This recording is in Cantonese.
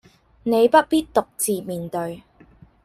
你不必獨自面對